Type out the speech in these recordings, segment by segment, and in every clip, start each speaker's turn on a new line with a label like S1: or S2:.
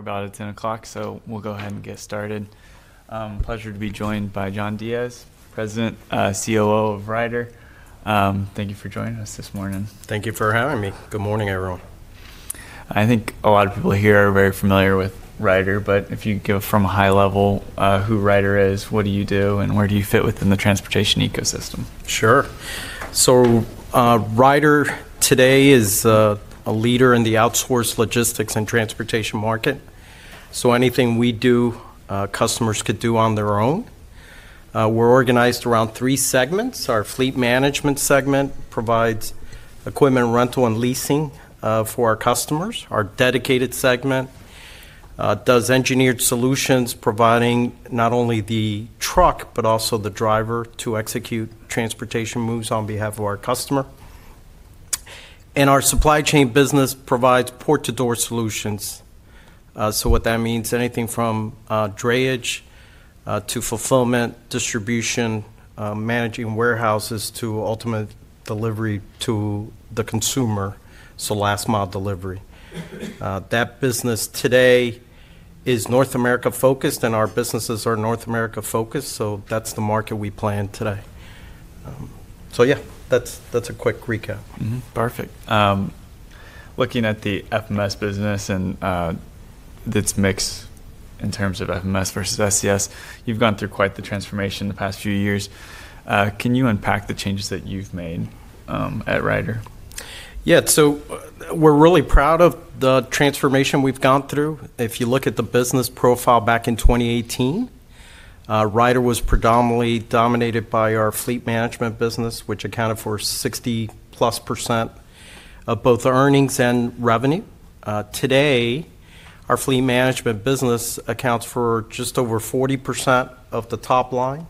S1: We're about at 10:00, so we'll go ahead and get started. Pleasure to be joined by John Diez, President, COO of Ryder. Thank you for joining us this morning.
S2: Thank you for having me. Good morning, everyone. I think a lot of people here are very familiar with Ryder, but if you go from a high level, who Ryder is, what do you do, and where do you fit within the transportation ecosystem? Sure. Ryder today is a leader in the outsourced logistics and transportation market. Anything we do, customers could do on their own. We're organized around three segments. Our Fleet Management segment provides equipment rental and leasing for our customers. Our Dedicated segment does engineered solutions, providing not only the truck but also the driver to execute transportation moves on behalf of our customer. Our Supply Chain business provides port-to-door solutions. What that means is anything from drayage to fulfillment, distribution, managing warehouses to ultimate delivery to the consumer, so last-mile delivery. That business today is North America-focused, and our businesses are North America-focused, so that's the market we plan today. Yeah, that's a quick recap. Mm-hmm. Perfect. Looking at the FMS business and, this mix in terms of FMS versus SCS, you've gone through quite the transformation in the past few years. Can you unpack the changes that you've made, at Ryder? Yeah, so we're really proud of the transformation we've gone through. If you look at the business profile back in 2018, Ryder was predominantly dominated by our Fleet Management business, which accounted for 60-plus % of both earnings and revenue. Today, our Fleet Management business accounts for just over 40% of the top line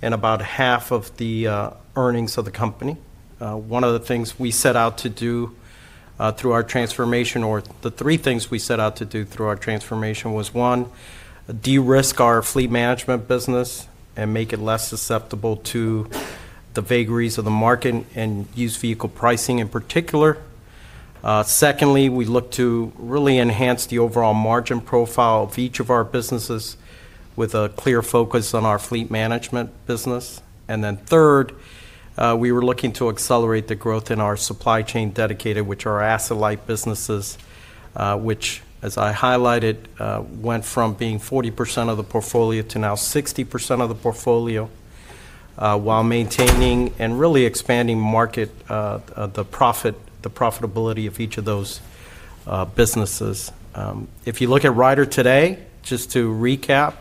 S2: and about half of the earnings of the company. One of the things we set out to do, through our transformation, or the three things we set out to do through our transformation, was, one, de-risk our Fleet Management business and make it less susceptible to the vagaries of the market and used vehicle pricing in particular. Secondly, we looked to really enhance the overall margin profile of each of our businesses with a clear focus on our Fleet Management business. Third, we were looking to accelerate the growth in our Supply Chain Dedicated, which are asset-like businesses, which, as I highlighted, went from being 40% of the portfolio to now 60% of the portfolio, while maintaining and really expanding market, the profit, the profitability of each of those businesses. If you look at Ryder today, just to recap,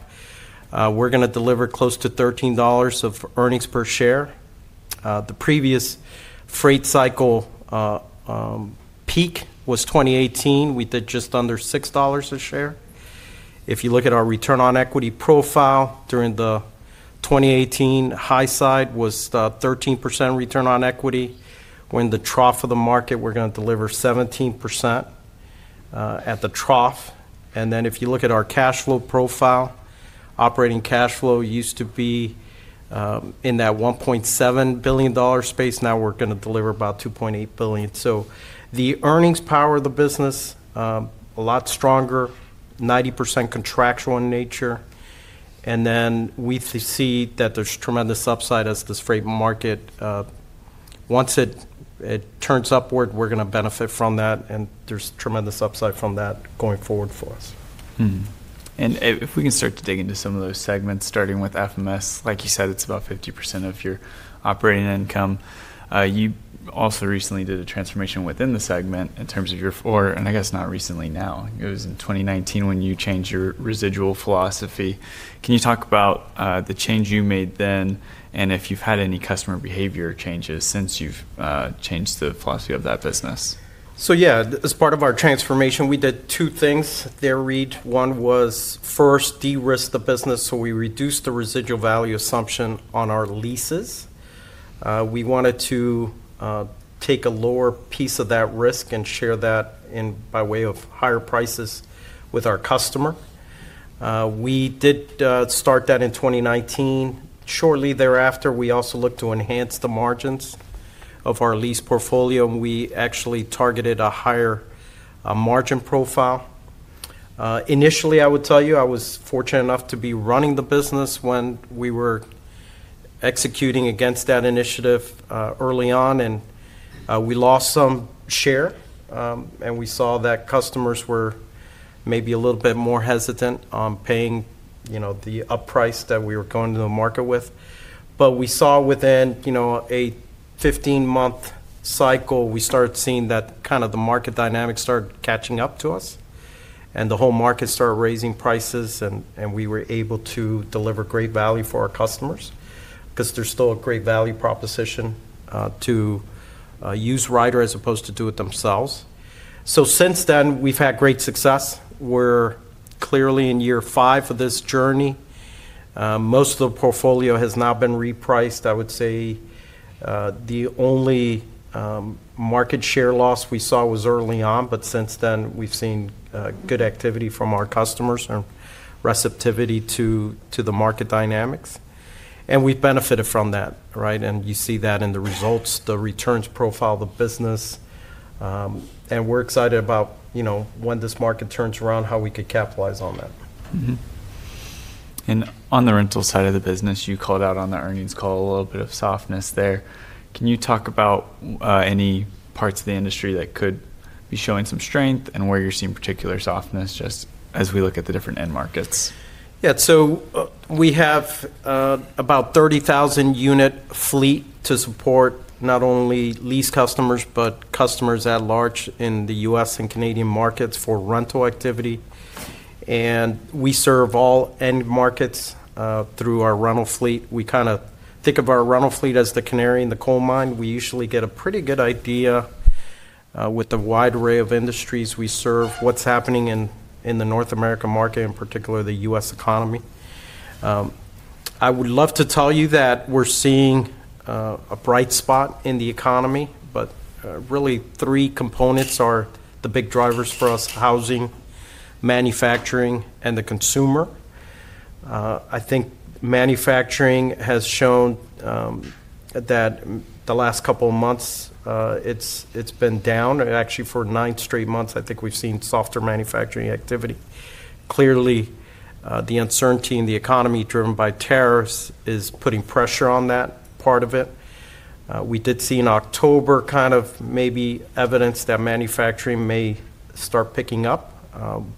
S2: we're gonna deliver close to $13 of earnings per share. The previous freight cycle peak was 2018. We did just under $6 a share. If you look at our return on equity profile during the 2018 high side, it was 13% return on equity. When the trough of the market, we're gonna deliver 17% at the trough. If you look at our cash flow profile, operating cash flow used to be in that $1.7 billion space. Now we're gonna deliver about $2.8 billion. The earnings power of the business, a lot stronger, 90% contractual in nature. We see that there's tremendous upside as this freight market, once it turns upward, we're gonna benefit from that, and there's tremendous upside from that going forward for us. If we can start to dig into some of those segments, starting with FMS, like you said, it's about 50% of your operating income. You also recently did a transformation within the segment in terms of your, or, and I guess not recently now, it was in 2019 when you changed your residual philosophy. Can you talk about the change you made then and if you've had any customer behavior changes since you've changed the philosophy of that business? As part of our transformation, we did two things there, Reed. One was first de-risk the business, so we reduced the residual value assumption on our leases. We wanted to take a lower piece of that risk and share that in by way of higher prices with our customer. We did start that in 2019. Shortly thereafter, we also looked to enhance the margins of our lease portfolio, and we actually targeted a higher margin profile. Initially, I would tell you, I was fortunate enough to be running the business when we were executing against that initiative early on, and we lost some share, and we saw that customers were maybe a little bit more hesitant on paying, you know, the up price that we were going to the market with. We saw within, you know, a 15-month cycle, we started seeing that kind of the market dynamic started catching up to us, and the whole market started raising prices, and we were able to deliver great value for our customers 'cause there's still a great value proposition to use Ryder as opposed to do it themselves. Since then, we've had great success. We're clearly in year five of this journey. Most of the portfolio has now been repriced. I would say the only market share loss we saw was early on, but since then, we've seen good activity from our customers and receptivity to the market dynamics. We've benefited from that, right? You see that in the results, the returns profile of the business. We're excited about, you know, when this market turns around, how we could capitalize on that. Mm-hmm. On the rental side of the business, you called out on the earnings call a little bit of softness there. Can you talk about any parts of the industry that could be showing some strength and where you're seeing particular softness just as we look at the different end markets? Yeah, so, we have about 30,000 unit fleet to support not only lease customers but customers at large in the U.S. and Canadian markets for rental activity. We serve all end markets, through our rental fleet. We kinda think of our rental fleet as the canary in the coal mine. We usually get a pretty good idea, with the wide array of industries we serve, what's happening in, in the North America market, in particular the U.S. economy. I would love to tell you that we're seeing a bright spot in the economy, but really three components are the big drivers for us: housing, manufacturing, and the consumer. I think manufacturing has shown that the last couple of months, it's been down. Actually, for nine straight months, I think we've seen softer manufacturing activity. Clearly, the uncertainty in the economy driven by tariffs is putting pressure on that part of it. We did see in October kind of maybe evidence that manufacturing may start picking up,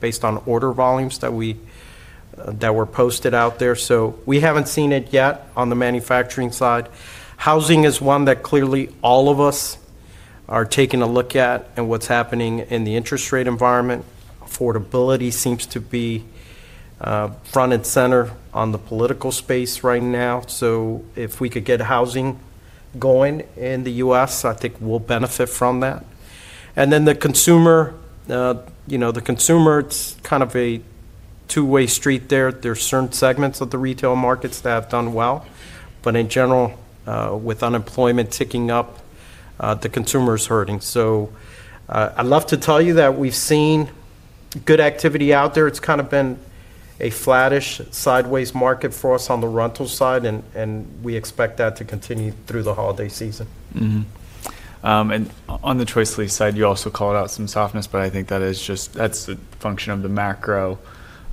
S2: based on order volumes that we, that were posted out there. We haven't seen it yet on the manufacturing side. Housing is one that clearly all of us are taking a look at and what's happening in the interest rate environment. Affordability seems to be front and center on the political space right now. If we could get housing going in the U.S., I think we'll benefit from that. The consumer, you know, the consumer, it's kind of a two-way street there. There are certain segments of the retail markets that have done well, but in general, with unemployment ticking up, the consumer's hurting. I'd love to tell you that we've seen good activity out there. It's kind of been a flattish sideways market for us on the rental side, and we expect that to continue through the holiday season. Mm-hmm. On the ChoiceLease side, you also called out some softness, but I think that is just, that's a function of the macro.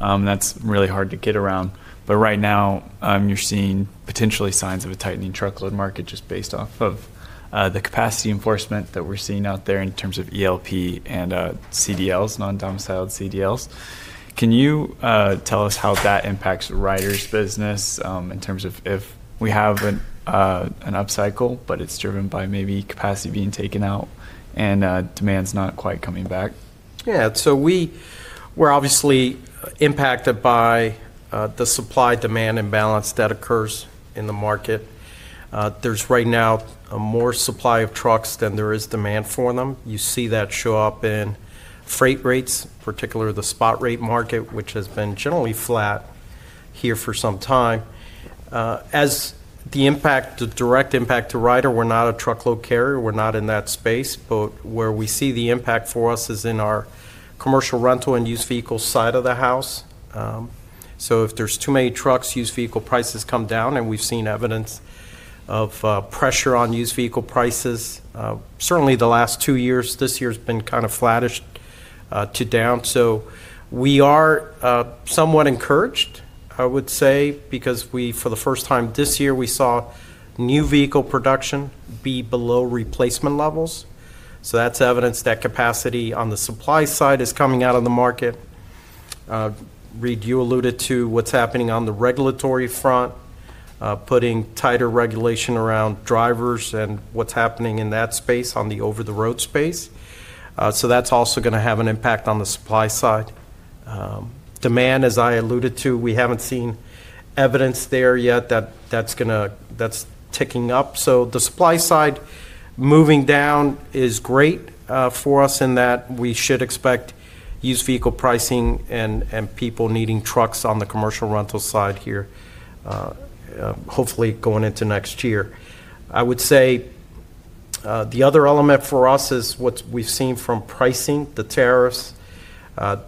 S2: That's really hard to get around. Right now, you're seeing potentially signs of a tightening truckload market just based off of the capacity enforcement that we're seeing out there in terms of ELD and CDLs, non-domiciled CDLs. Can you tell us how that impacts Ryder's business, in terms of if we have an upcycle, but it's driven by maybe capacity being taken out and demand's not quite coming back? Yeah, so we were obviously impacted by the supply-demand imbalance that occurs in the market. There's right now a more supply of trucks than there is demand for them. You see that show up in freight rates, particularly the spot rate market, which has been generally flat here for some time. As the impact, the direct impact to Ryder, we're not a truckload carrier. We're not in that space, but where we see the impact for us is in our commercial rental and used vehicle side of the house. If there's too many trucks, used vehicle prices come down, and we've seen evidence of pressure on used vehicle prices. Certainly the last two years, this year's been kind of flattish to down. We are somewhat encouraged, I would say, because we, for the first time this year, saw new vehicle production be below replacement levels. That's evidence that capacity on the supply side is coming out of the market. Reed, you alluded to what's happening on the regulatory front, putting tighter regulation around drivers and what's happening in that space on the over-the-road space. That's also gonna have an impact on the supply side. Demand, as I alluded to, we haven't seen evidence there yet that that's gonna, that's ticking up. The supply side moving down is great for us in that we should expect used vehicle pricing and people needing trucks on the commercial rental side here, hopefully going into next year. I would say the other element for us is what we've seen from pricing, the tariffs.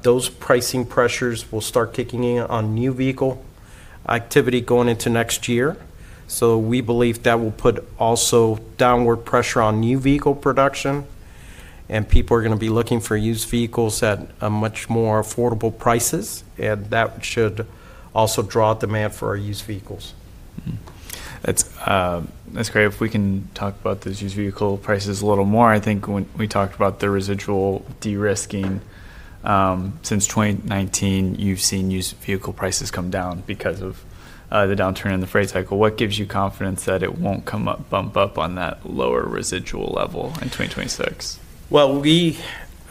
S2: Those pricing pressures will start kicking in on new vehicle activity going into next year. We believe that will put also downward pressure on new vehicle production, and people are gonna be looking for used vehicles at much more affordable prices, and that should also draw demand for our used vehicles. That's great. If we can talk about those used vehicle prices a little more, I think when we talked about the residual de-risking, since 2019, you've seen used vehicle prices come down because of the downturn in the freight cycle. What gives you confidence that it won't come up, bump up on that lower residual level in 2026?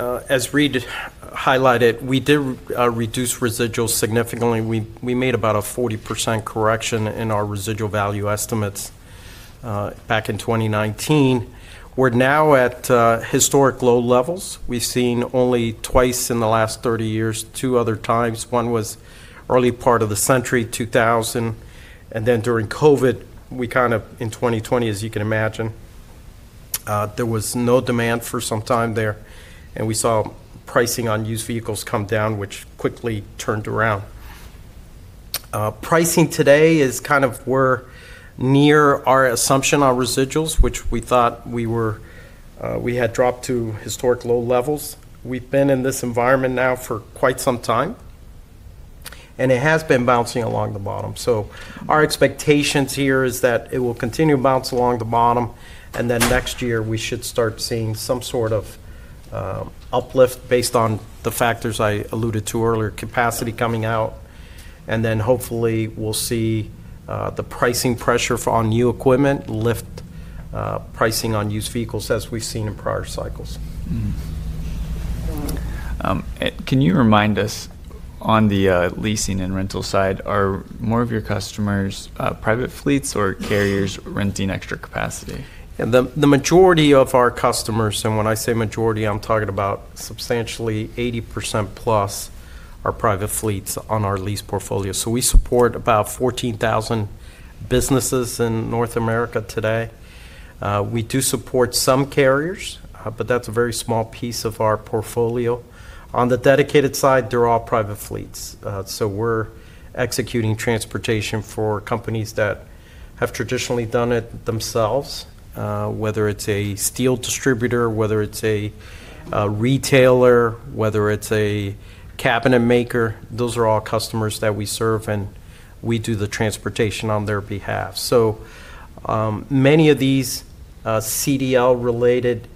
S2: As Reed highlighted, we did reduce residuals significantly. We made about a 40% correction in our residual value estimates back in 2019. We're now at historic low levels. We've seen only twice in the last 30 years, two other times. One was early part of the century, 2000, and then during COVID, we kind of, in 2020, as you can imagine, there was no demand for some time there, and we saw pricing on used vehicles come down, which quickly turned around. Pricing today is kind of, we're near our assumption on residuals, which we thought we were, we had dropped to historic low levels. We've been in this environment now for quite some time, and it has been bouncing along the bottom. Our expectations here is that it will continue to bounce along the bottom, and then next year we should start seeing some sort of uplift based on the factors I alluded to earlier, capacity coming out, and then hopefully we'll see the pricing pressure on new equipment lift, pricing on used vehicles as we've seen in prior cycles. Can you remind us on the leasing and rental side, are more of your customers private fleets or carriers renting extra capacity? The majority of our customers, and when I say majority, I'm talking about substantially 80% plus, are private fleets on our lease portfolio. We support about 14,000 businesses in North America today. We do support some carriers, but that's a very small piece of our portfolio. On the Dedicated side, they're all private fleets. We're executing transportation for companies that have traditionally done it themselves, whether it's a steel distributor, a retailer, or a cabinet maker. Those are all customers that we serve, and we do the transportation on their behalf. Many of these CDL-related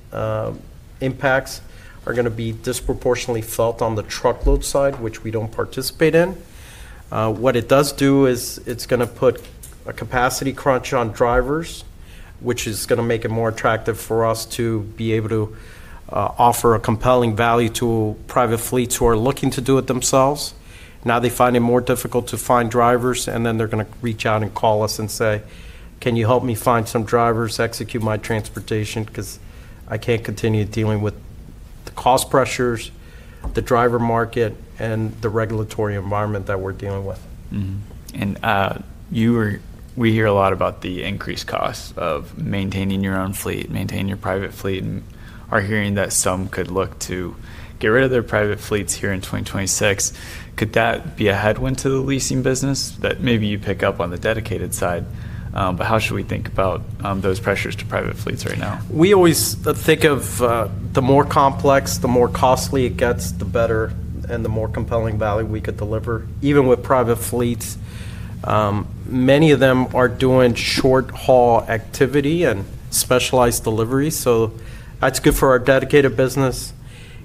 S2: impacts are gonna be disproportionately felt on the truckload side, which we don't participate in. What it does do is it's gonna put a capacity crunch on drivers, which is gonna make it more attractive for us to be able to offer a compelling value to private fleets who are looking to do it themselves. Now they find it more difficult to find drivers, and then they're gonna reach out and call us and say, "Can you help me find some drivers, execute my transportation?" 'Cause I can't continue dealing with cost pressures, the driver market, and the regulatory environment that we're dealing with. Mm-hmm. You were, we hear a lot about the increased costs of maintaining your own fleet, maintaining your private fleet, and are hearing that some could look to get rid of their private fleets here in 2026. Could that be a headwind to the leasing business that maybe you pick up on the Dedicated side? How should we think about those pressures to private fleets right now? We always think of, the more complex, the more costly it gets, the better and the more compelling value we could deliver. Even with private fleets, many of them are doing short-haul activity and specialized delivery. That is good for our Dedicated business.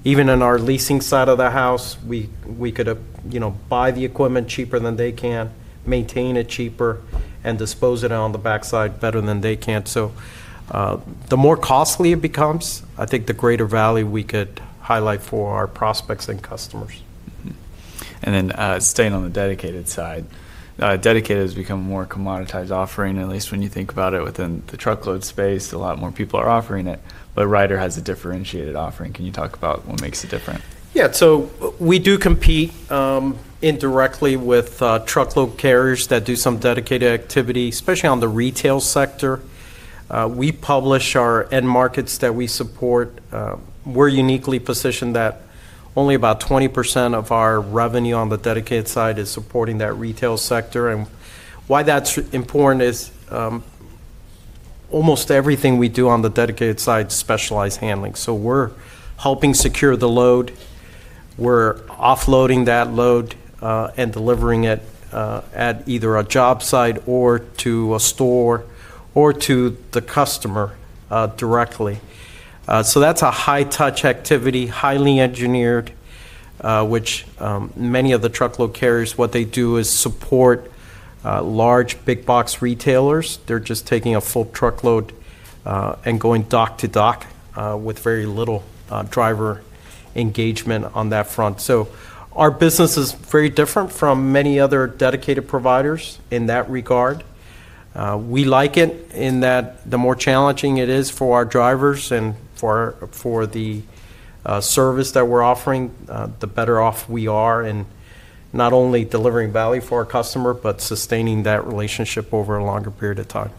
S2: Even in our leasing side of the house, we could, you know, buy the equipment cheaper than they can, maintain it cheaper, and dispose of it on the backside better than they can. The more costly it becomes, I think the greater value we could highlight for our prospects and customers. Mm-hmm. Staying on the Dedicated side, Dedicated has become a more commoditized offering, at least when you think about it within the truckload space. A lot more people are offering it, but Ryder has a differentiated offering. Can you talk about what makes it different? Yeah, so we do compete, indirectly with, truckload carriers that do some Dedicated activity, especially on the retail sector. We publish our end markets that we support. We're uniquely positioned that only about 20% of our revenue on the Dedicated side is supporting that retail sector. Why that's important is, almost everything we do on the Dedicated side is specialized handling. We're helping secure the load. We're offloading that load, and delivering it, at either a job site or to a store or to the customer, directly. That's a high-touch activity, highly engineered, which, many of the truckload carriers, what they do is support, large big-box retailers. They're just taking a full truckload, and going dock to dock, with very little, driver engagement on that front. Our business is very different from many other Dedicated providers in that regard. We like it in that the more challenging it is for our drivers and for, for the service that we're offering, the better off we are in not only delivering value for our customer, but sustaining that relationship over a longer period of time.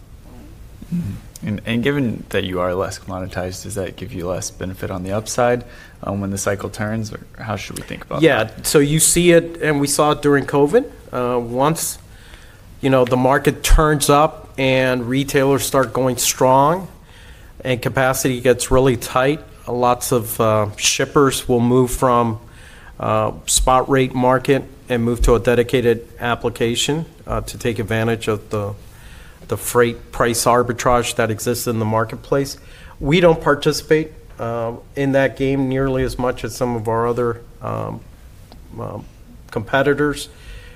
S2: Mm-hmm. Given that you are less commoditized, does that give you less benefit on the upside? When the cycle turns, how should we think about it? Yeah, you see it, and we saw it during COVID, once, you know, the market turns up and retailers start going strong and capacity gets really tight. Lots of shippers will move from spot rate market and move to a Dedicated application, to take advantage of the freight price arbitrage that exists in the marketplace. We do not participate in that game nearly as much as some of our other competitors.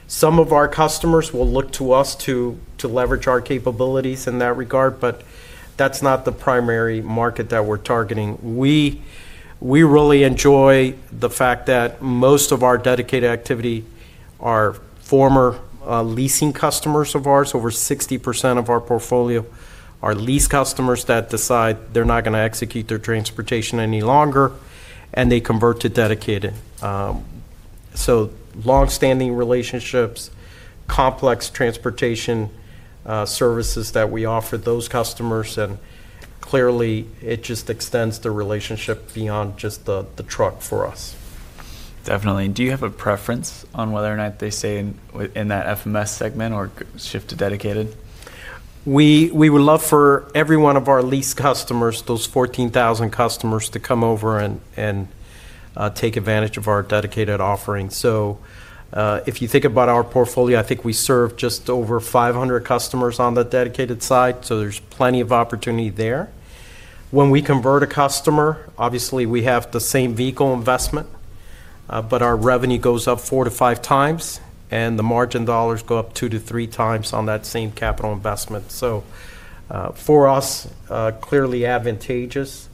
S2: Some of our customers will look to us to leverage our capabilities in that regard, but that is not the primary market that we are targeting. We really enjoy the fact that most of our Dedicated activity, our former leasing customers of ours, over 60% of our portfolio, are lease customers that decide they are not going to execute their transportation any longer, and they convert to Dedicated. Longstanding relationships, complex transportation, services that we offer those customers, and clearly it just extends the relationship beyond just the, the truck for us. Definitely. Do you have a preference on whether or not they stay in that FMS segment or shift to Dedicated? We would love for every one of our lease customers, those 14,000 customers, to come over and take advantage of our Dedicated offering. If you think about our portfolio, I think we serve just over 500 customers on the Dedicated side, so there's plenty of opportunity there. When we convert a customer, obviously we have the same vehicle investment, but our revenue goes up four to five times, and the margin dollars go up two to three times on that same capital investment. For us, clearly advantageous.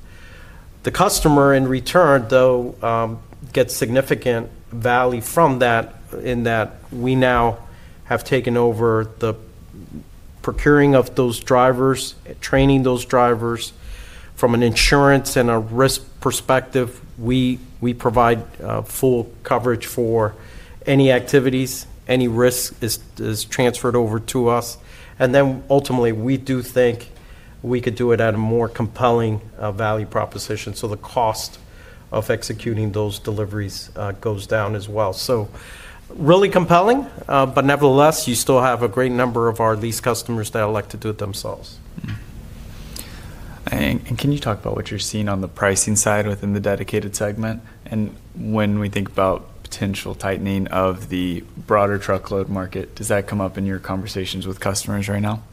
S2: The customer in return, though, gets significant value from that in that we now have taken over the procuring of those drivers, training those drivers. From an insurance and a risk perspective, we provide full coverage for any activities, any risk is transferred over to us. We do think we could do it at a more compelling, value proposition. The cost of executing those deliveries goes down as well. Really compelling, but nevertheless, you still have a great number of our lease customers that elect to do it themselves. Mm-hmm. Can you talk about what you're seeing on the pricing side within the Dedicated segment? When we think about potential tightening of the broader truckload market, does that come up in your conversations with customers right now?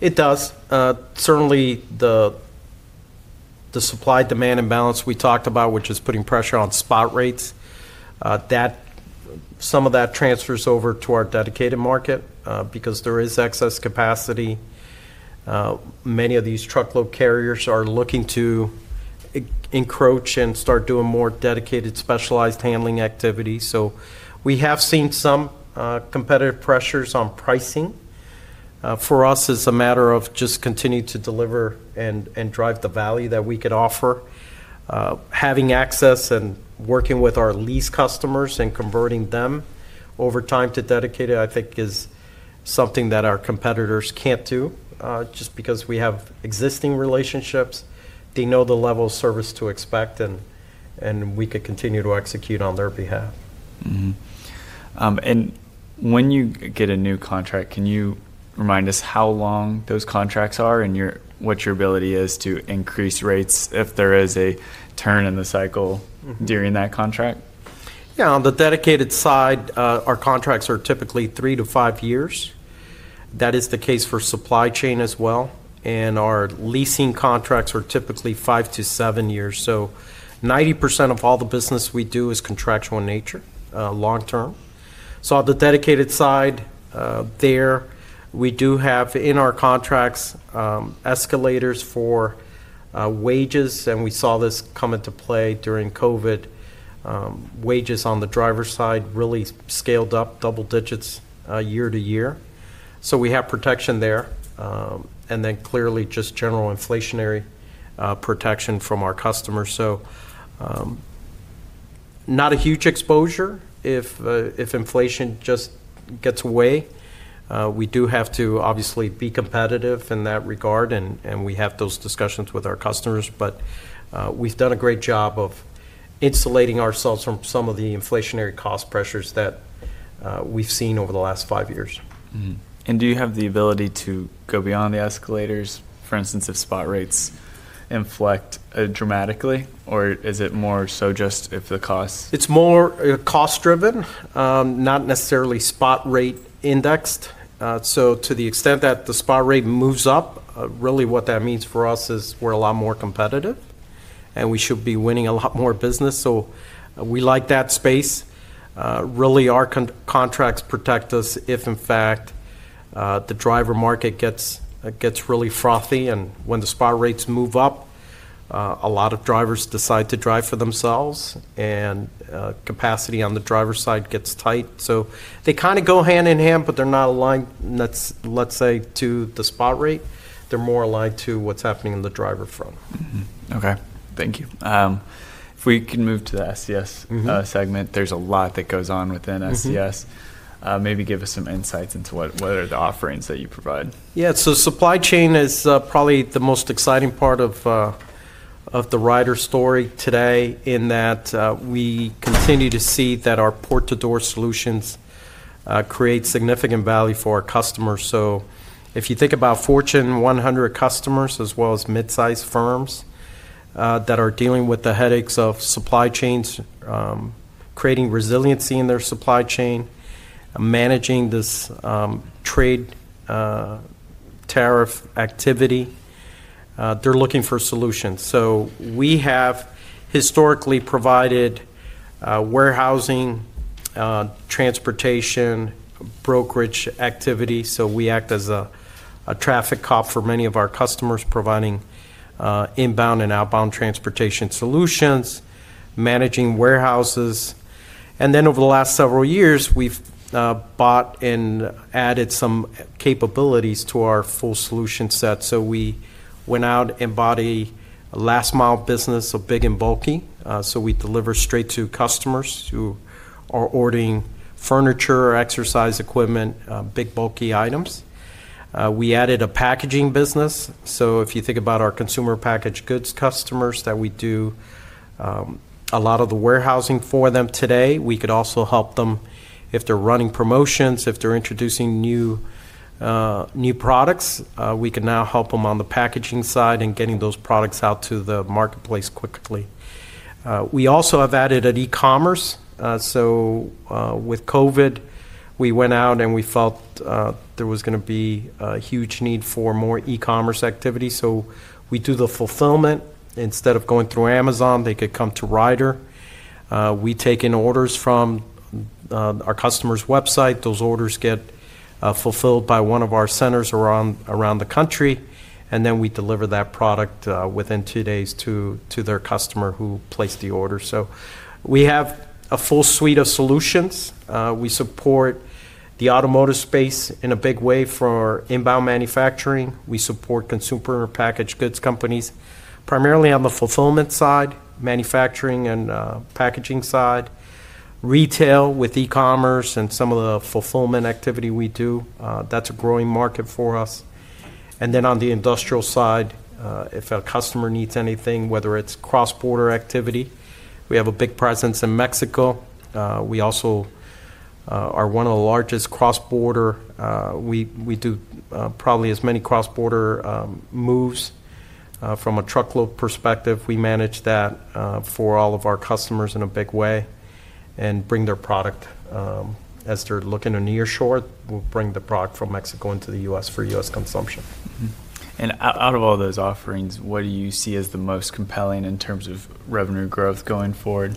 S2: It does. Certainly the supply-demand imbalance we talked about, which is putting pressure on spot rates, some of that transfers over to our Dedicated market, because there is excess capacity. Many of these truckload carriers are looking to encroach and start doing more Dedicated specialized handling activity. We have seen some competitive pressures on pricing. For us, it's a matter of just continuing to deliver and drive the value that we could offer. Having access and working with our lease customers and converting them over time to Dedicated, I think, is something that our competitors can't do, just because we have existing relationships. They know the level of service to expect, and we could continue to execute on their behalf. Mm-hmm. And when you get a new contract, can you remind us how long those contracts are and your, what your ability is to increase rates if there is a turn in the cycle during that contract? Yeah, on the Dedicated side, our contracts are typically three to five years. That is the case for Supply Chain as well. Our leasing contracts are typically five to seven years. So 90% of all the business we do is contractual in nature, long-term. On the Dedicated side, we do have in our contracts escalators for wages, and we saw this come into play during COVID. Wages on the driver's side really scaled up double digits, year to year. We have protection there, and then clearly just general inflationary protection from our customers. Not a huge exposure if inflation just gets away. We do have to obviously be competitive in that regard, and we have those discussions with our customers, but we've done a great job of insulating ourselves from some of the inflationary cost pressures that we've seen over the last five years. Mm-hmm. Do you have the ability to go beyond the escalators, for instance, if spot rates inflect dramatically, or is it more so just if the costs? It's more cost-driven, not necessarily spot rate indexed. To the extent that the spot rate moves up, really what that means for us is we're a lot more competitive, and we should be winning a lot more business. We like that space. Really our contracts protect us if, in fact, the driver market gets really frothy. When the spot rates move up, a lot of drivers decide to drive for themselves, and capacity on the driver's side gets tight. They kind of go hand in hand, but they're not aligned, let's say, to the spot rate. They're more aligned to what's happening in the driver front. Mm-hmm. Okay. Thank you. If we can move to the SCS segment, there's a lot that goes on within SCS. Maybe give us some insights into what, what are the offerings that you provide. Yeah, Supply Chain is probably the most exciting part of the Ryder story today in that we continue to see that our port-to-door solutions create significant value for our customers. If you think about Fortune 100 customers as well as mid-size firms that are dealing with the headaches of Supply Chains, creating resiliency in their Supply Chain, managing this trade, tariff activity, they're looking for solutions. We have historically provided warehousing, transportation, brokerage activity. We act as a traffic cop for many of our customers, providing inbound and outbound transportation solutions, managing warehouses. Over the last several years, we've bought and added some capabilities to our full solution set. We went out, embodied a last-mile business of big and bulky. We deliver straight to customers who are ordering furniture or exercise equipment, big, bulky items. We added a packaging business. If you think about our consumer packaged goods customers that we do, a lot of the warehousing for them today, we could also help them if they're running promotions, if they're introducing new, new products, we can now help them on the packaging side and getting those products out to the marketplace quickly. We also have added an e-commerce. With COVID, we went out and we felt there was gonna be a huge need for more e-commerce activity. We do the fulfillment. Instead of going through Amazon, they could come to Ryder. We take in orders from our customer's website. Those orders get fulfilled by one of our centers around the country, and then we deliver that product within two days to their customer who placed the order. We have a full suite of solutions. We support the automotive space in a big way for inbound manufacturing. We support consumer packaged goods companies primarily on the fulfillment side, manufacturing and packaging side, retail with e-commerce and some of the fulfillment activity we do. That's a growing market for us. On the industrial side, if a customer needs anything, whether it's cross-border activity, we have a big presence in Mexico. We also are one of the largest cross-border. We do probably as many cross-border moves from a truckload perspective. We manage that for all of our customers in a big way and bring their product, as they're looking in nearshore, we'll bring the product from Mexico into the U.S. for U.S. consumption. Mm-hmm. Out of all those offerings, what do you see as the most compelling in terms of revenue growth going forward?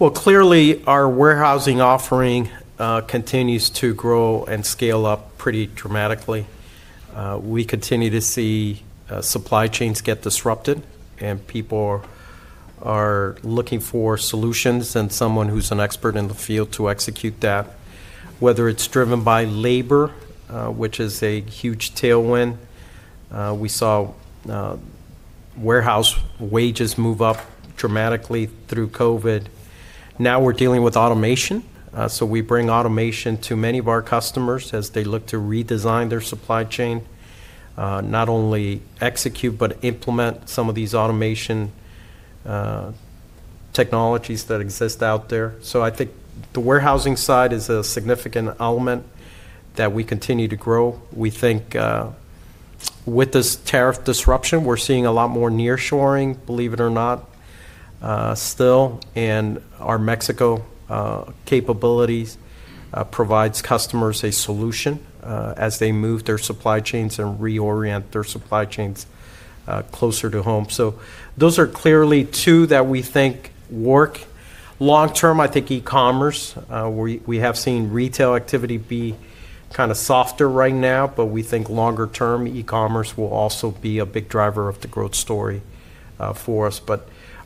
S2: Clearly our warehousing offering continues to grow and scale up pretty dramatically. We continue to see Supply Chains get disrupted and people are looking for solutions and someone who's an expert in the field to execute that, whether it's driven by labor, which is a huge tailwind. We saw warehouse wages move up dramatically through COVID. Now we're dealing with automation. We bring automation to many of our customers as they look to redesign their Supply Chain, not only execute, but implement some of these automation technologies that exist out there. I think the warehousing side is a significant element that we continue to grow. We think, with this tariff disruption, we're seeing a lot more nearshoring, believe it or not, still. Our Mexico capabilities provide customers a solution as they move their Supply Chains and reorient their Supply Chains closer to home. Those are clearly two that we think work long-term. I think e-commerce, we have seen retail activity be kind of softer right now, but we think longer-term e-commerce will also be a big driver of the growth story for us.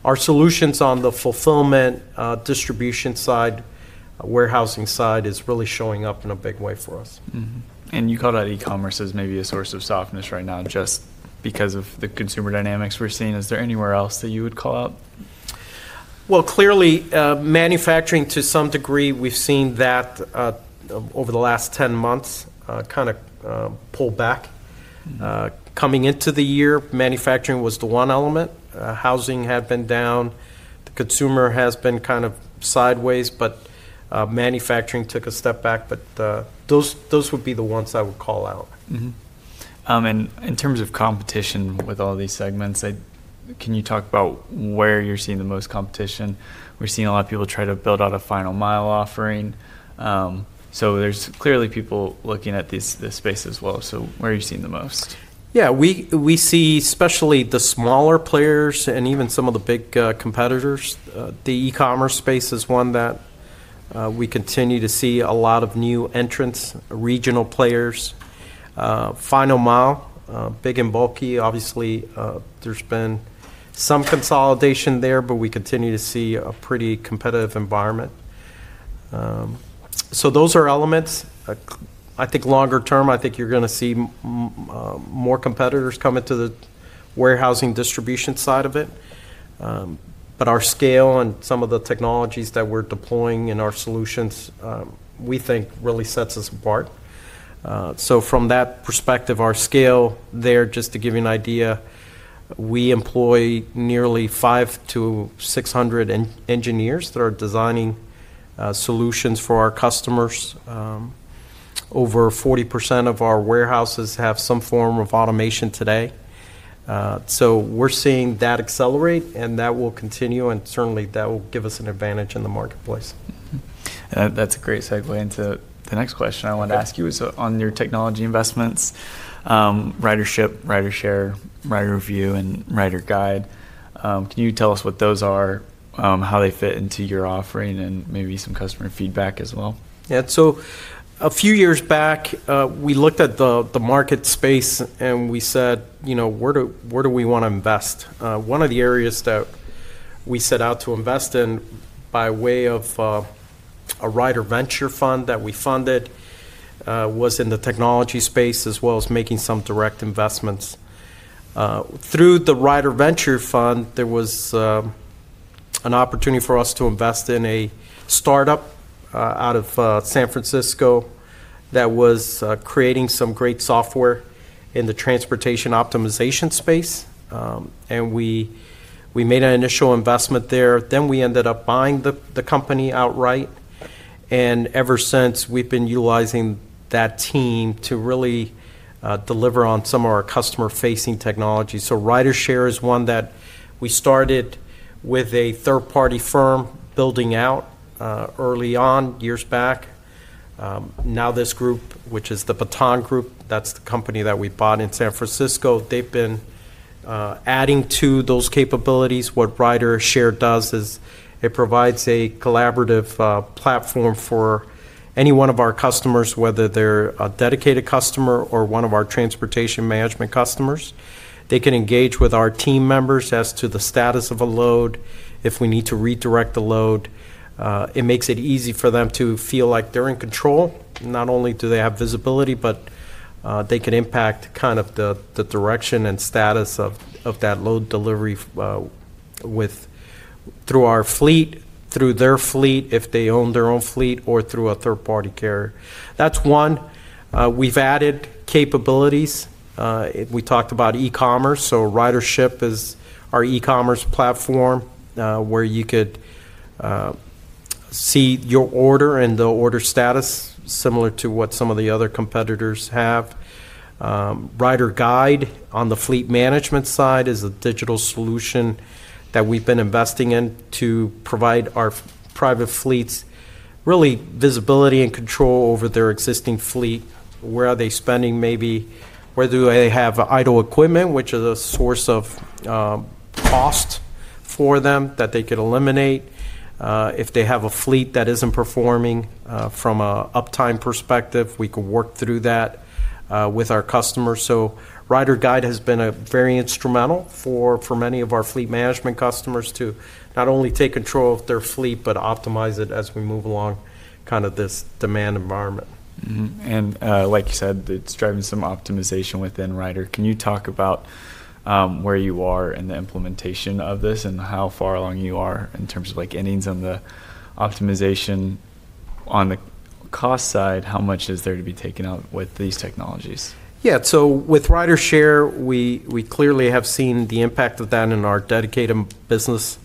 S2: Our solutions on the fulfillment, distribution side, warehousing side is really showing up in a big way for us. Mm-hmm. You call that e-commerce as maybe a source of softness right now, just because of the consumer dynamics we're seeing. Is there anywhere else that you would call out? Clearly, manufacturing to some degree, we've seen that over the last 10 months, kind of, pull back. Coming into the year, manufacturing was the one element. Housing had been down. The consumer has been kind of sideways, but manufacturing took a step back. Those would be the ones I would call out. Mm-hmm. And in terms of competition with all these segments, can you talk about where you're seeing the most competition? We're seeing a lot of people try to build out a final mile offering. There are clearly people looking at this space as well. Where are you seeing the most? Yeah, we see especially the smaller players and even some of the big competitors. The e-commerce space is one that we continue to see a lot of new entrants, regional players, final mile, big and bulky. Obviously, there's been some consolidation there, but we continue to see a pretty competitive environment. Those are elements. I think longer-term, I think you're gonna see more competitors coming to the warehousing distribution side of it. Our scale and some of the technologies that we're deploying in our solutions, we think really sets us apart. From that perspective, our scale there, just to give you an idea, we employ nearly 500-600 engineers that are designing solutions for our customers. Over 40% of our warehouses have some form of automation today. We're seeing that accelerate and that will continue, and certainly that will give us an advantage in the marketplace. That's a great segue into the next question I wanted to ask you is on your technology investments, RyderShip, RyderShare, RyderView, and RyderGyde. Can you tell us what those are, how they fit into your offering and maybe some customer feedback as well? Yeah, so a few years back, we looked at the market space and we said, you know, where do we wanna invest? One of the areas that we set out to invest in by way of a RyderVenture Fund that we funded was in the technology space as well as making some direct investments. Through the RyderVenture Fund, there was an opportunity for us to invest in a startup out of San Francisco that was creating some great software in the transportation optimization space. We made an initial investment there. We ended up buying the company outright. Ever since, we've been utilizing that team to really deliver on some of our customer-facing technology. RyderShare is one that we started with a third-party firm building out early on years back. Now this group, which is the Baton Group, that's the company that we bought in San Francisco, they've been adding to those capabilities. What RyderShare does is it provides a collaborative platform for any one of our customers, whether they're a Dedicated customer or one of our transportation management customers. They can engage with our team members as to the status of a load, if we need to redirect the load. It makes it easy for them to feel like they're in control. Not only do they have visibility, but they can impact kind of the direction and status of that load delivery, with, through our fleet, through their fleet, if they own their own fleet or through a third-party carrier. That's one. We've added capabilities. We talked about e-commerce. RyderShip is our e-commerce platform, where you could see your order and the order status similar to what some of the other competitors have. RyderGyde on the Fleet Management side is a digital solution that we've been investing in to provide our private fleets really visibility and control over their existing fleet. Where are they spending maybe, whether they have idle equipment, which is a source of cost for them that they could eliminate. If they have a fleet that isn't performing, from an uptime perspective, we could work through that with our customers. RyderGyde has been very instrumental for many of our Fleet Management customers to not only take control of their fleet, but optimize it as we move along kind of this demand environment. Mm-hmm. Like you said, it's driving some optimization within Ryder. Can you talk about where you are in the implementation of this and how far along you are in terms of like endings on the optimization on the cost side? How much is there to be taken out with these technologies? Yeah, so with RyderShare, we clearly have seen the impact of that in our Dedicated business.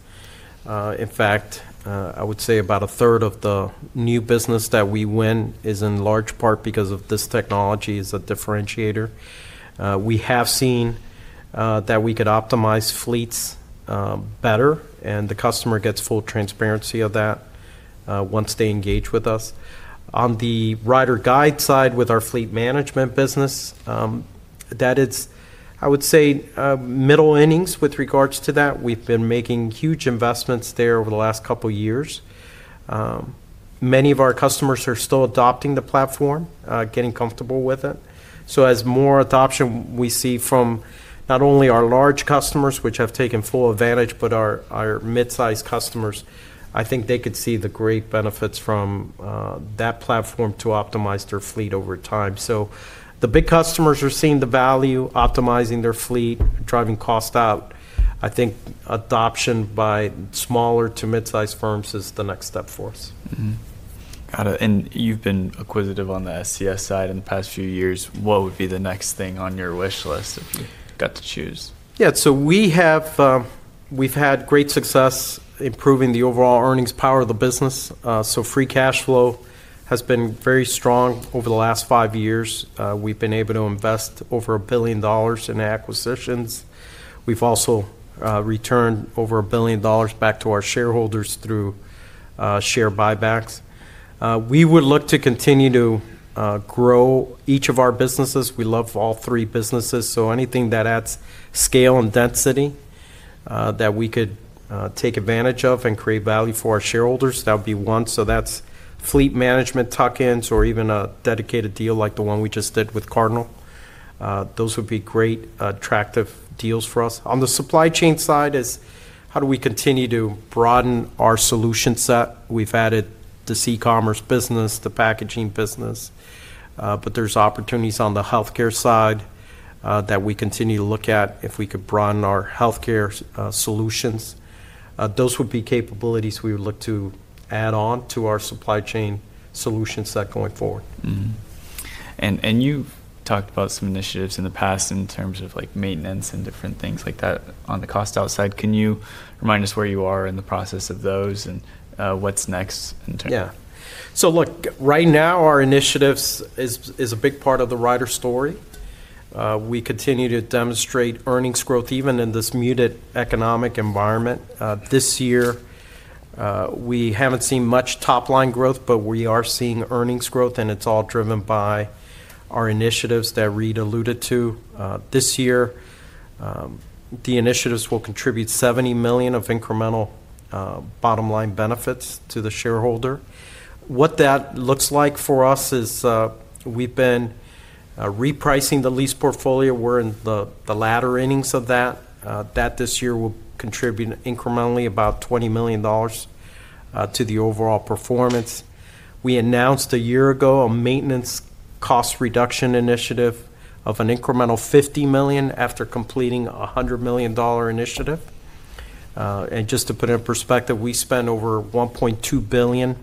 S2: In fact, I would say about a third of the new business that we win is in large part because of this technology as a differentiator. We have seen that we could optimize fleets better and the customer gets full transparency of that, once they engage with us. On the RyderGyde side with our Fleet Management business, that is, I would say, middle innings with regards to that. We've been making huge investments there over the last couple of years. Many of our customers are still adopting the platform, getting comfortable with it. As more adoption we see from not only our large customers, which have taken full advantage, but our mid-sized customers, I think they could see the great benefits from that platform to optimize their fleet over time. The big customers are seeing the value, optimizing their fleet, driving cost out. I think adoption by smaller to mid-sized firms is the next step for us. Mm-hmm. Got it. You have been acquisitive on the SCS side in the past few years. What would be the next thing on your wish list if you got to choose? Yeah, so we have had great success improving the overall earnings power of the business. Free cash flow has been very strong over the last five years. We've been able to invest over $1 billion in acquisitions. We've also returned over $1 billion back to our shareholders through share buybacks. We would look to continue to grow each of our businesses. We love all three businesses. Anything that adds scale and density that we could take advantage of and create value for our shareholders, that would be one. That's Fleet Management tuck-ins or even a Dedicated deal like the one we just did with Cardinal. Those would be great, attractive deals for us. On the Supply Chain side, it is how do we continue to broaden our solution set? We've added this e-commerce business, the packaging business. There are opportunities on the healthcare side that we continue to look at. If we could broaden our healthcare solutions, those would be capabilities we would look to add on to our Supply Chain Solutions set going forward. Mm-hmm. You've talked about some initiatives in the past in terms of like maintenance and different things like that on the cost outside. Can you remind us where you are in the process of those and what's next in terms of? Yeah. Look, right now our initiatives is a big part of the Ryder story. We continue to demonstrate earnings growth even in this muted economic environment. This year, we haven't seen much top-line growth, but we are seeing earnings growth and it's all driven by our initiatives that Reed alluded to. This year, the initiatives will contribute $70 million of incremental, bottom-line benefits to the shareholder. What that looks like for us is, we've been repricing the lease portfolio. We're in the latter innings of that. That this year will contribute incrementally about $20 million to the overall performance. We announced a year ago a maintenance cost reduction initiative of an incremental $50 million after completing a $100 million initiative. Just to put it in perspective, we spent over $1.2 billion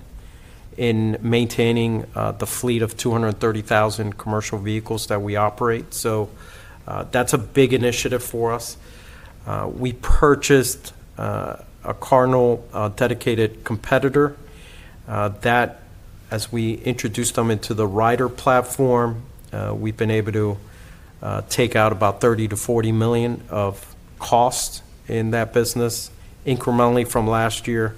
S2: in maintaining the fleet of 230,000 commercial vehicles that we operate. That's a big initiative for us. We purchased Carnel, a Dedicated competitor, that as we introduced them into the Ryder platform, we've been able to take out about $30 million-$40 million of cost in that business incrementally from last year.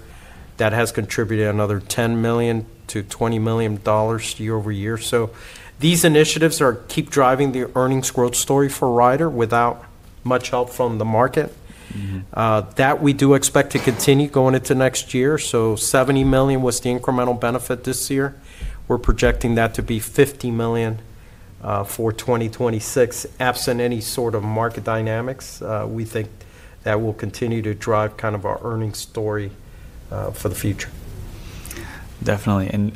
S2: That has contributed another $10 million-$20 million year over year. These initiatives keep driving the earnings growth story for Ryder without much help from the market. Mm-hmm. We do expect that to continue going into next year. $70 million was the incremental benefit this year. We're projecting that to be $50 million for 2026, absent any sort of market dynamics. We think that will continue to drive kind of our earnings story for the future. Definitely.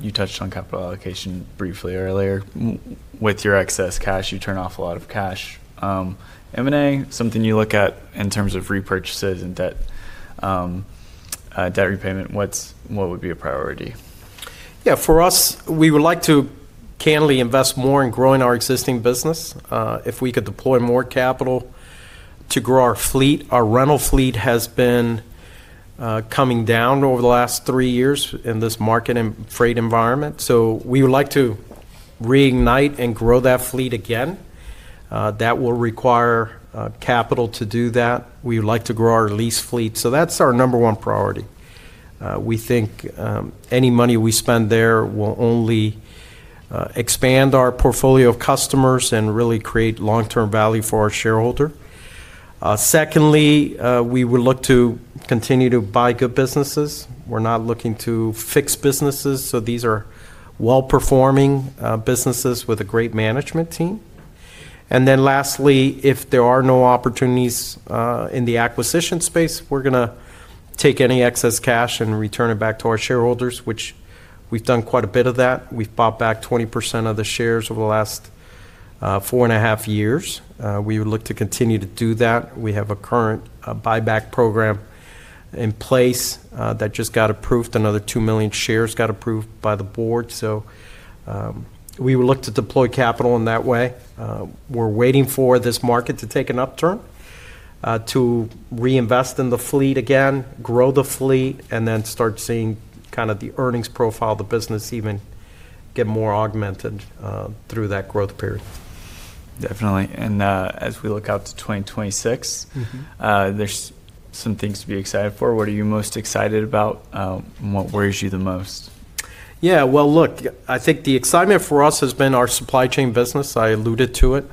S2: You touched on capital allocation briefly earlier. With your excess cash, you turn off a lot of cash. M&A, something you look at in terms of repurchases and debt, debt repayment, what would be a priority? Yeah, for us, we would like to candidly invest more in growing our existing business. If we could deploy more capital to grow our fleet, our rental fleet has been coming down over the last three years in this market and freight environment. We would like to reignite and grow that fleet again. That will require capital to do that. We would like to grow our lease fleet. That's our number one priority. We think any money we spend there will only expand our portfolio of customers and really create long-term value for our shareholder. Secondly, we would look to continue to buy good businesses. We're not looking to fix businesses. These are well-performing businesses with a great management team. Lastly, if there are no opportunities in the acquisition space, we're gonna take any excess cash and return it back to our shareholders, which we've done quite a bit of that. We've bought back 20% of the shares over the last four and a half years. We would look to continue to do that. We have a current buyback program in place that just got approved. Another 2 million shares got approved by the Board. We would look to deploy capital in that way. We're waiting for this market to take an upturn, to reinvest in the fleet again, grow the fleet, and then start seeing kind of the earnings profile, the business even get more augmented through that growth period. Definitely. As we look out to 2026, there's some things to be excited for. What are you most excited about? What worries you the most? Yeah, look, I think the excitement for us has been our Supply Chain business. I alluded to it.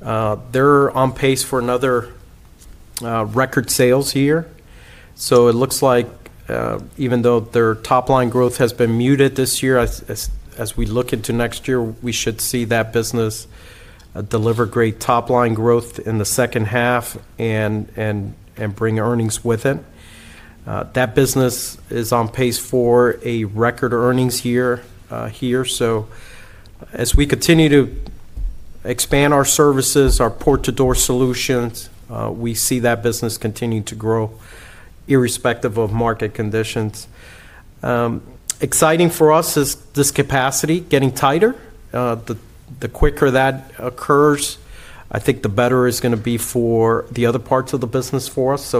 S2: They're on pace for another record sales year. It looks like, even though their top-line growth has been muted this year, as we look into next year, we should see that business deliver great top-line growth in the second half and bring earnings with it. That business is on pace for a record earnings year here. As we continue to expand our services, our port-to-door solutions, we see that business continue to grow irrespective of market conditions. Exciting for us is this capacity getting tighter. The quicker that occurs, I think the better it's gonna be for the other parts of the business for us.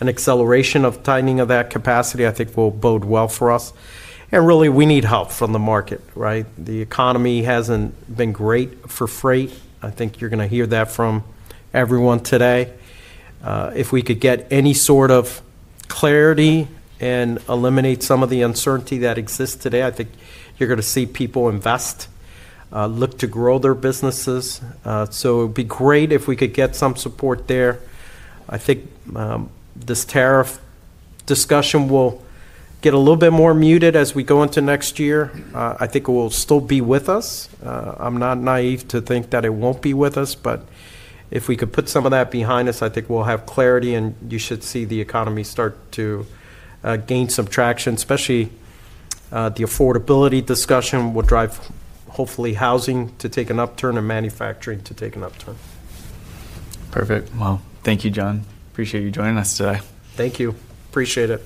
S2: An acceleration of tightening of that capacity, I think, will bode well for us. Really, we need help from the market, right? The economy hasn't been great for freight. I think you're gonna hear that from everyone today. If we could get any sort of clarity and eliminate some of the uncertainty that exists today, I think you're gonna see people invest, look to grow their businesses. It would be great if we could get some support there. I think this tariff discussion will get a little bit more muted as we go into next year. I think it will still be with us. I'm not naive to think that it won't be with us, but if we could put some of that behind us, I think we'll have clarity and you should see the economy start to gain some traction, especially the affordability discussion will drive hopefully housing to take an upturn and manufacturing to take an upturn. Perfect. Thank you, John. Appreciate you joining us today. Thank you. Appreciate it.